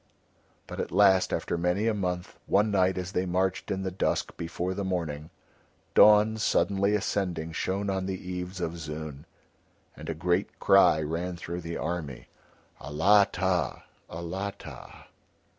But at last after many a month, one night as they marched in the dusk before the morning, dawn suddenly ascending shone on the eaves of Zoon, and a great cry ran through the army: "Alatta, Alatta!"